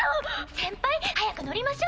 先輩早く乗りましょ。